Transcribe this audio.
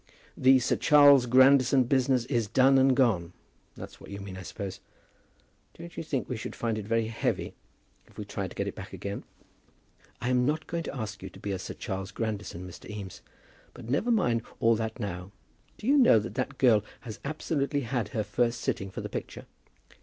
"The Sir Charles Grandison business is done and gone. That's what you mean, I suppose? Don't you think we should find it very heavy if we tried to get it back again?" "I'm not going to ask you to be a Sir Charles Grandison, Mr. Eames. But never mind all that now. Do you know that that girl has absolutely had her first sitting for the picture?"